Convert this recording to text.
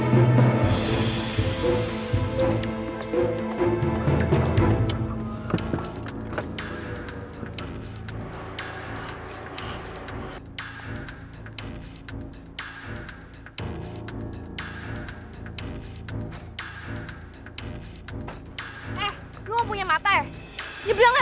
terima kasih mbak